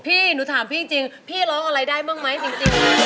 พี่หนูถามพี่จริงพี่ร้องอะไรได้บ้างไหมจริง